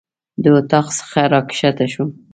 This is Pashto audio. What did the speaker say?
د اطاق څخه راکښته شوم.